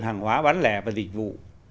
hàng hóa bán lẻ và dịch vụ